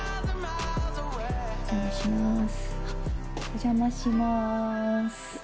お邪魔します。